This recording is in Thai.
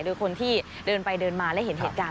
โดยคนที่เดินไปเดินมาและเห็นเหตุการณ์